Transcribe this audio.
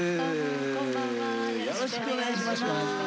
よろしくお願いします。